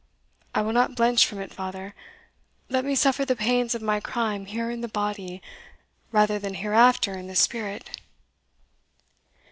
I will not blench from it, father let me suffer the pains of my crime here in the body, rather than hereafter in the spirit!"